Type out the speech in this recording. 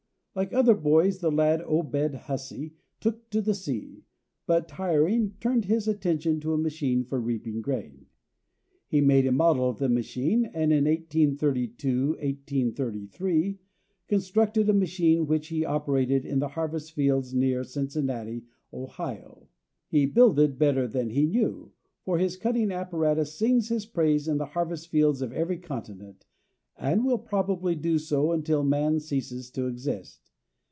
Like other boys the lad, Obed Hussey, took to the sea, but tiring, turned his attention to a machine for reaping grain. He made a model of the machine, and in 1832 1833 constructed a machine which he operated in the harvest fields near Cincinnati, Ohio. He "builded better than he knew," for his cutting apparatus sings his praise in the harvest fields of every continent, and will probably do so until man ceases to exist.